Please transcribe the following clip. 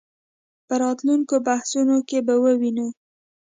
په راتلونکو بحثونو کې به ووینو.